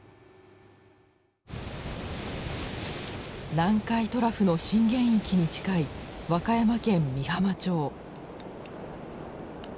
南海トラフの震源域に近い和歌山県美浜町。